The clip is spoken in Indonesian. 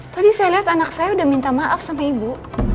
tadi saya lihat anak saya udah minta maaf sama ibu